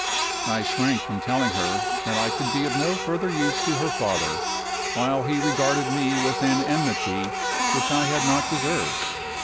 I shrank from telling her that I could be of no further use to her father, while he regarded me with an enmity which I had not deserved.